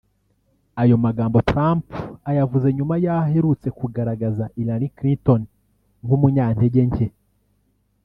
Ayo magambo Trump ayavuze nyuma y’aho aherutse kugaragaza Hillary Clinton nk’umunyantege nke